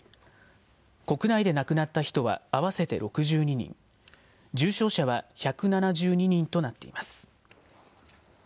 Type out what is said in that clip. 国内で亡くなった人は合わせて６２人、重症者は１７２人となっています。